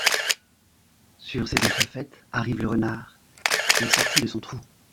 Sur ces entrefaites, arrive le renard, qui est sorti de son trou.